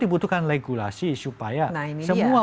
dibutuhkan regulasi supaya semua